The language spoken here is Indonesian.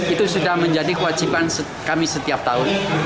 itu sudah menjadi kewajiban kami setiap tahun